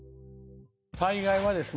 災害はですね